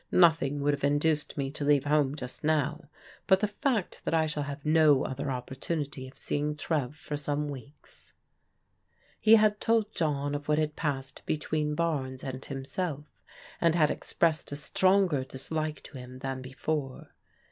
Nothing would have induced me to leave home just now, but the fact that I shall have no other opportunity of seeing Trev for some weeks." He had told John of what had passed between Barnes and himself, and had expressed a stronger dislike to him than before.